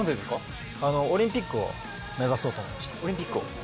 オリンピックを目指そうと思いまして。